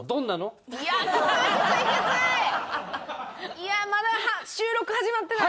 いやあまだ収録始まってない。